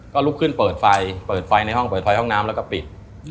ก็ลุกขึ้นเปิดไฟเปิดไฟในห้องเปิดไฟห้องน้ำแล้วก็ปิด